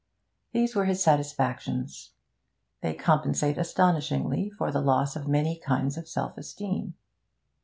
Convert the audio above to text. These were his satisfactions. They compensate astonishingly for the loss of many kinds of self esteem.